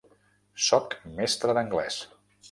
Soc mestre d'anglès.